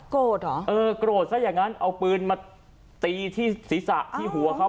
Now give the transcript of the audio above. เหรอเออโกรธซะอย่างนั้นเอาปืนมาตีที่ศีรษะที่หัวเขา